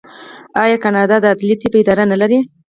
آیا کاناډا د عدلي طب اداره نلري؟